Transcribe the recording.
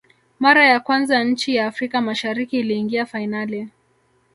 mara ya kwanza nchi ya afrika mashariki iliingia fainali